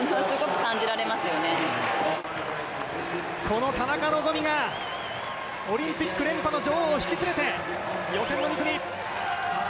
この田中希実がオリンピック連覇の女王を引き連れて予選の２組。